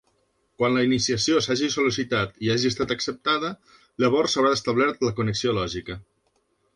Quan la iniciació s'hagi sol·licitat i hagi estat acceptada, llavors s'haurà establert la connexió lògica.